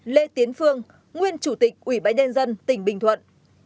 một lê tiến phương nguyên chủ tịch ủy bãi đen dân tỉnh bình thuận